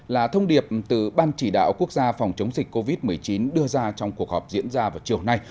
là thông điệp từ ban chỉ đạo quốc gia phòng chống dịch covid một mươi chín đưa ra trong cuộc họp diễn ra vào chiều nay